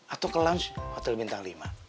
atau ke lounge hotel bintang lima